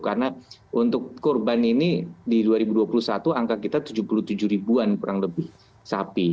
karena untuk kurban ini di dua ribu dua puluh satu angka kita tujuh puluh tujuh ribuan kurang lebih sapi